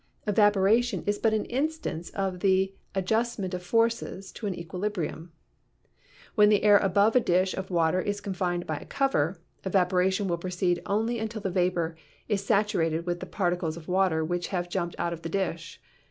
Evaporation is but an instance of the adjustment of forces to an equilibrium. When the air above a dish of water is confined by a cover, evaporation will proceed only until the vapor is saturated with the particles of water which have jumped out of the dish.